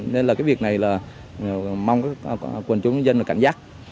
nên là cái việc này là mong các quần chúng dân là cảnh giác